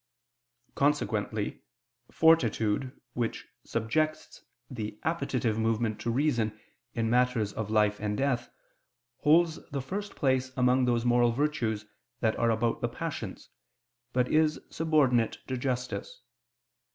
Consequently fortitude which subjects the appetitive movement to reason in matters of life and death, holds the first place among those moral virtues that are about the passions, but is subordinate to justice.